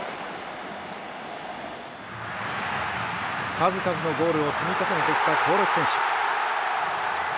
数々のゴールを積み重ねてきた興梠選手。